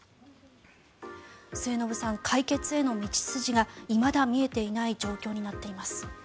末延さん、解決への道筋がいまだ見えていない状況になっています。